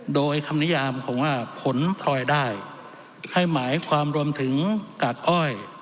โดยคำนิยามผมว่าผลพลอยได้ให้หมายความรวมถึงกากอ้อย